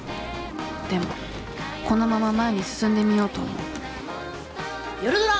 でもこのまま前に進んでみようと思う夜ドラ！